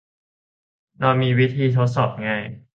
เรามีวิธีทดสอบง่าย